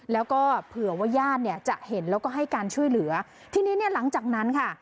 แล้วก็เผื่อว่าญาติเนี่ยจะเห็นแล้วก็ให้การช่วยเหลือทีนี้เนี่ยหลังจากนั้นค่ะ